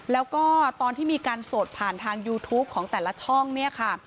แล้วก็ตอนที่มีการโสดผ่านทางยูทูปของแต่ละช่องเนี่ยค่ะ